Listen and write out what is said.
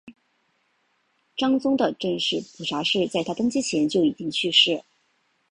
章宗的正室蒲察氏在他登基前就已经去世。